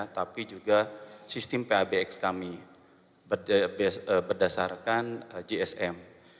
tapi juga sistem pabx kami berdasarkan gsm